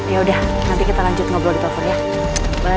ya udah nanti kita lanjut ngobrol di telepon ya